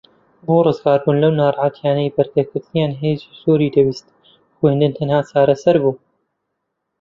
بۆ ڕزگاربوون لەو ناڕەحەتیانەی بەرگەگرتنیان هێزی زۆری دەویست خوێندن تەنھا چارەسەر بوو